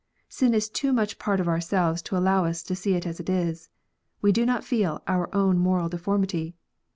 Sin is too much part of ourselves to allow us to see it as it is : we do not feel our own moral deformity.